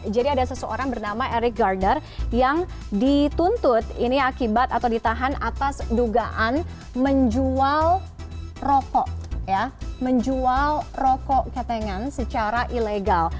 jadi ada seseorang bernama eric garner yang dituntut ini akibat atau ditahan atas dugaan menjual rokok menjual rokok ketengan secara ilegal